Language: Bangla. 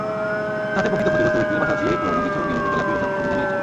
তাতে প্রকৃত ক্ষতিগ্রস্ত ব্যক্তিদের পাশাপাশি পুরোনো কিছু নিয়মিত খেলাপিও এসব সুবিধা নিয়েছে।